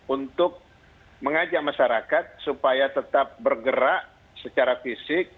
untuk mengajak masyarakat supaya tetap bergerak secara fisik